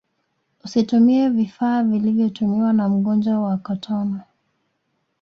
usitumie vifaa vilivyotumiwa na mgonjwa wa kotona